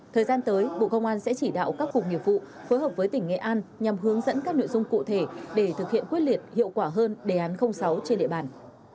thời gian tới bộ công an sẽ chỉ đạo các cuộc nghiệp vụ phối hợp với tỉnh nghệ an nhằm hướng dẫn các nội dung cụ thể để thực hiện quyết liệt hiệu quả hơn đề án sáu trên địa bàn